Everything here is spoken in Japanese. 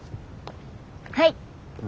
はい。